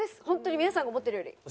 本当に皆さんが思ってるより。